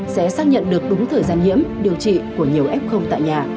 sẽ xác nhận được đúng thời gian nhiễm điều trị của nhiều f tại nhà